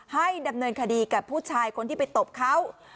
ให้ดำเนินคดีกับผู้ชายคนที่ไปตบเขา